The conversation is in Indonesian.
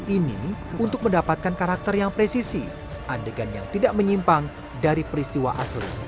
ini untuk mendapatkan karakter yang presisi adegan yang tidak menyimpang dari peristiwa asli